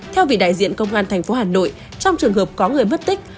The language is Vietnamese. theo vị đại diện công an thành phố hà nội trong trường hợp có người mất tích